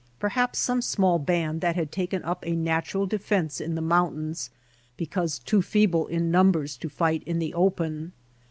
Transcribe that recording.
Perhaps some small band that had taken up a natural defence in the mountains because too feeble in numbers to fight in the open.